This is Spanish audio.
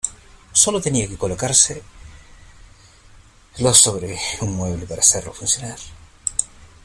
Sólo tenía que colocarse lo sobre un mueble para hacerlo funcionar.